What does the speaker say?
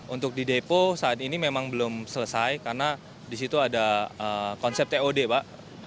untuk di depo saat ini memang belum selesai karena di situ ada konsep tod pak